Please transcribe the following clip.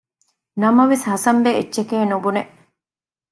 ނަމަވެސް ހަސަންބެ އެއްޗެކޭނުބުނެ